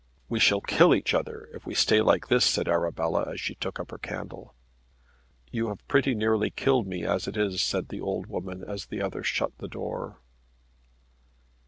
We shall kill each other if we stay like this," said Arabella as she took up her candle. "You have pretty nearly killed me as it is," said the old woman as the other shut the door.